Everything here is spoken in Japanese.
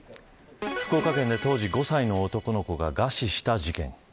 福岡県で当時５歳の男の子が餓死した事件。